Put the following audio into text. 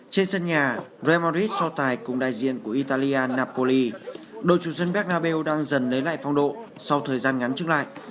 trước trận nhà real madrid so tải cùng đại diện của italia napoli đội chủ dân bernabeu đang dần lấy lại phong độ sau thời gian ngắn chứng lại